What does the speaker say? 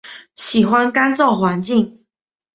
喜欢干燥环境。